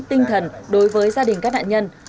tinh thần đối với gia đình các nạn nhân